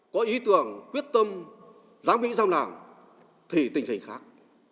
có ý tưởng quyết tâm dám nghĩ sao nào thì tình hình khác